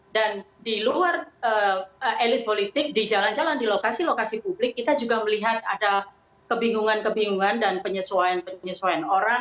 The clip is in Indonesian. dan di luar elit politik di jalan jalan di lokasi lokasi publik kita juga melihat ada kebingungan kebingungan dan penyesuaian penyesuaian orang